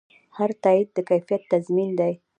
هر تایید د کیفیت تضمین دی.